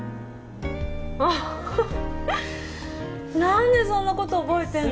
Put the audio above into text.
あっ何でそんなこと覚えてんの？